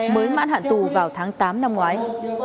mới mãn hạn tù vào tháng tám năm ngoái